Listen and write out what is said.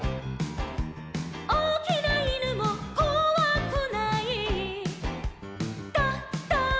「おおきないぬもこわくない」「ドド」